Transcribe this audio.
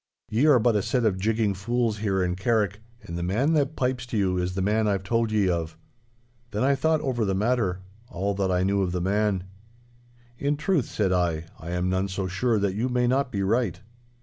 Ye are but a set of jigging fools here in Carrick, and the man that pipes to you is the man I've told ye of!' Then I thought over the matter—all that I knew of the man. 'In truth,' said I, 'I am none so sure that you may not be right.